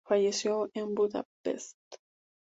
Falleció en Budapest